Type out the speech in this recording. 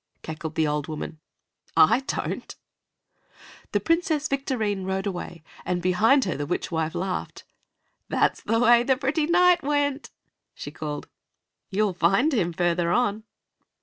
cackled the old woman. "I don't." The Princess Victorine rode away, and behind her the witch wife laughed. "That's the way the pretty knight went," she called. "You'll find him further on."